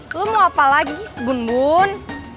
lu mau apa lagi bun bun